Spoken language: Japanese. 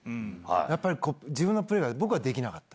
やっぱり、自分のプレーが僕はできなかった。